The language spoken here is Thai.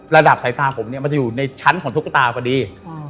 ระดาษสายตาผมมันจะอยู่ในชั้นของตุ๊กตาลวัดดี